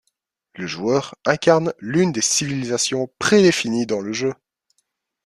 Le joueur incarne l'une des civilisations prédéfinies dans le jeu.